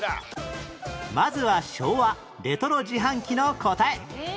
まずは昭和レトロ自販機の答え